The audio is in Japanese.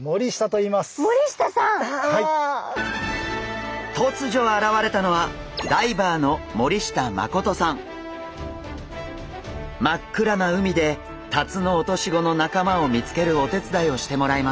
とつじょ現れたのは真っ暗な海でタツノオトシゴの仲間を見つけるお手伝いをしてもらいます。